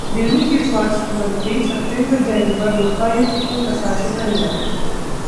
दिल्ली के स्वास्थ्य मंत्री सत्येंद्र जैन पर लोकायुक्त ने कसा शिकंजा!